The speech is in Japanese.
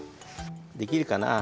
できるかな？